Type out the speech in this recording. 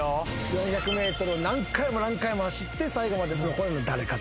４００ｍを何回も何回も走って最後まで残るのは誰かというね。